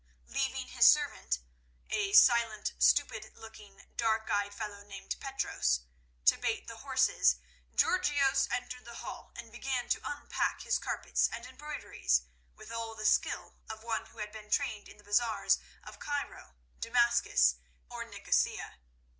Leaving his servant—a silent, stupid looking, dark eyed fellow named Petros—to bait the horses, Georgios entered the hall and began to unpack his carpets and embroideries with all the skill of one who had been trained in the bazaars of Cairo, Damascus, or Nicosia.